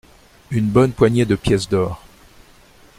Une bonne poignée de pièces d’or.